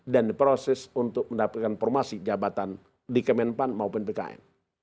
dan di proses untuk mendapatkan formasi jabatan di kemenpan maupun bkn